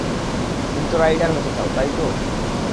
তো তুমি রাইডার হতে চাও, তাই তো?